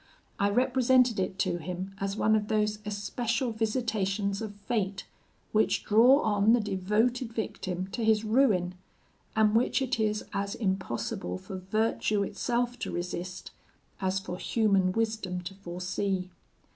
I represented it to him as one of those especial visitations of fate, which draw on the devoted victim to his ruin, and which it is as impossible for virtue itself to resist, as for human wisdom to foresee.